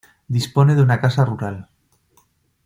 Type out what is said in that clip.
Dispone de una Casa Rural.